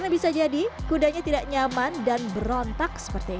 bisa jadi kudanya tidak nyaman dan berontak seperti ini